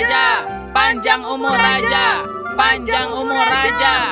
keadilan telah ditegakkan dengan benar panjang umur raja panjang umur raja